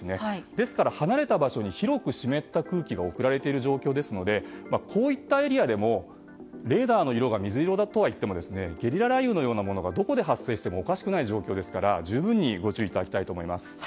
ですから離れた場所に広く湿った空気が送られている状況ですのでこういったエリアでもレーダーの色が水色とはいってもゲリラ雷雨のようなものがどこで発生してもおかしくない状況ですから十分にご注意いただきたいと思います。